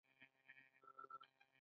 جلبي ولې خوږه ده؟